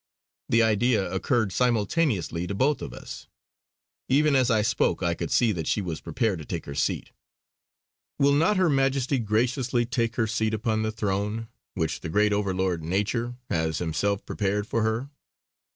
The idea occurred simultaneously to both of us; even as I spoke I could see that she was prepared to take her seat: "Will not Her Majesty graciously take her seat upon the throne which the great Over Lord, Nature, has himself prepared for her?"